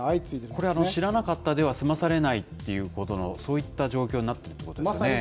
これは知らなかったでは済まされないっていうことの、そういった状況になってるっていうことですよね。